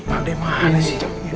pak nih mana sih